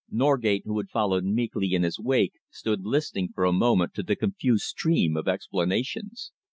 Norgate, who had followed meekly in his wake, stood listening for a moment to the confused stream of explanations.